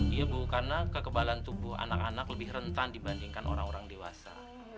iya bu karena kekebalan tubuh anak anak lebih rentan dibandingkan orang orang dewasa